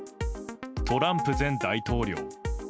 トランプ前大統領。